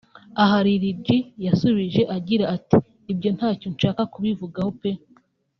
aha Lil G yasubije agira ati``Ibyo ntacyo nshaka kubivugaho peeee